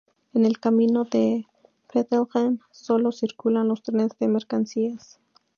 En el camino a Bethlehem, sólo circulan los trenes de mercancías.